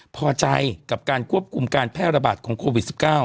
พอใจกับการควบคุมการแพร่ระบาดของโควิด๑๙